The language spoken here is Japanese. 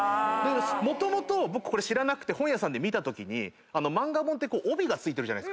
もともと僕これ知らなくて本屋さんで見たときに漫画本って帯付いてるじゃないですか。